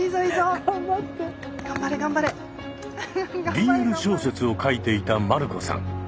ＢＬ小説を書いていた丸子さん。